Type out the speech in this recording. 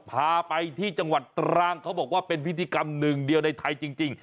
พาไปที่จังหวัดตรังเขาบอกว่าเป็นพิธีกรรมหนึ่งเดียวในไทยจริง